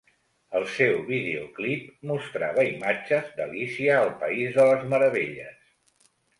El seu videoclip mostrava imatges d'"Alícia al País de les Meravelles".